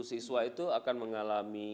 siswa itu akan mengalami